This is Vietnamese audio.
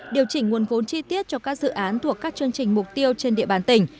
điều chỉnh nguồn vốn chi tiết cho các dự án thuộc các chương trình mục tiêu trên địa bàn tỉnh